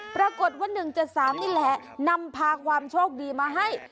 ปรากฏว่า๑๗๓นี่แหละนำพาความโชคดีมาให้